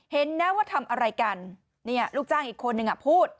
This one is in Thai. เห็นนะว่าทำอะไรกันเนี่ยลูกจ้างอีกคนนึงอ่ะพูด